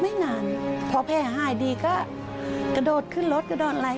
ไม่นานพอแผลหายดีก็กระโดดขึ้นรถกระโดดอะไร